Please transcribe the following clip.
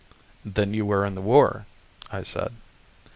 "Then you were in the war?" I said.